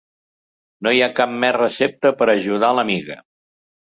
No hi ha cap més recepta per ajudar l'amiga.